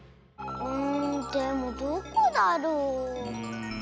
んでもどこだろう？